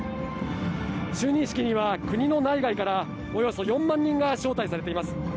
就任式には国の内外からおよそ４万人が招待されています。